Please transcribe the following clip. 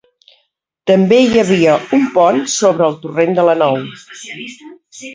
També hi havia un pont sobre el torrent de la Nou.